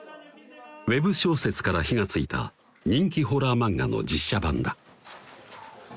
ウェブ小説から火がついた人気ホラー漫画の実写版だ